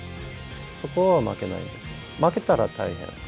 そこは負けないです。